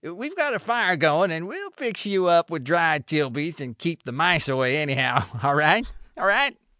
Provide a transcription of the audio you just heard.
We've got a fire going; and we'll fix you up with dry Tilbys and keep the mice away, anyhow, all right, all right."